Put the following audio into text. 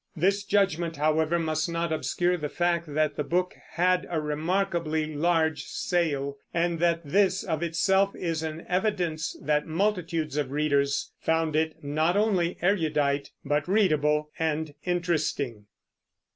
This judgment, however, must not obscure the fact that the book had a remarkably large sale; and that this, of itself, is an evidence that multitudes of readers found it not only erudite, but readable and interesting.